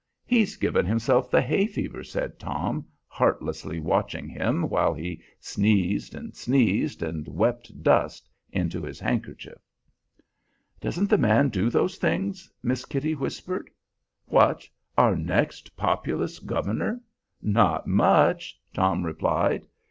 "He's given himself the hay fever," said Tom, heartlessly watching him while he sneezed and sneezed, and wept dust into his handkerchief. "Doesn't the man do those things?" Miss Kitty whispered. "What, our next Populist governor? Not much!" Tom replied.